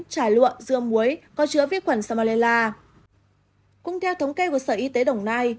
trải lụa dưa muối có chữa vi khuẩn samalela cũng theo thống kê của sở y tế đồng nai